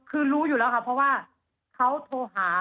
คือรู้อยู่แล้วค่ะเพราะว่าเขาโทรหา